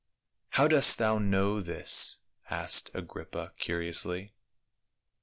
" How dost thou know this?" asked Agrippa curi ously.